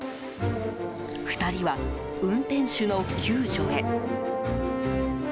２人は運転手の救助へ。